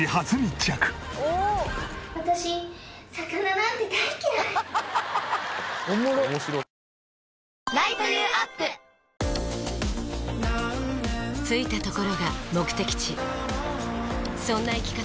着いたところが目的地そんな生き方